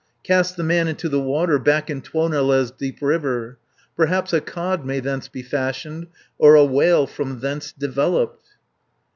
290 Cast the man into the water, Back in Tuonela's deep river, Perhaps a cod may thence be fashioned, Or a whale from thence developed."